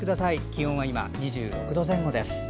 気温は今、２６度前後です。